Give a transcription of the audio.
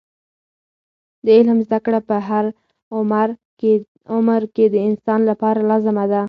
د علم زده کړه په هر عمر کې د انسان لپاره لازمه ده.